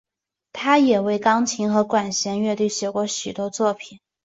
他也为钢琴和管弦乐队写过许多作品。